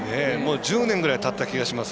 １０年ぐらいたった気がします。